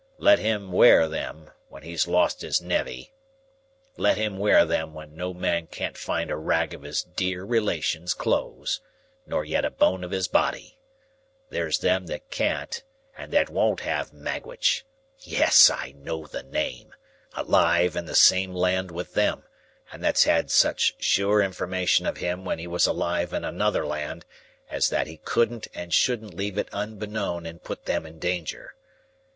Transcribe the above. Let him 'ware them, when he's lost his nevvy! Let him 'ware them, when no man can't find a rag of his dear relation's clothes, nor yet a bone of his body. There's them that can't and that won't have Magwitch,—yes, I know the name!—alive in the same land with them, and that's had such sure information of him when he was alive in another land, as that he couldn't and shouldn't leave it unbeknown and put them in danger.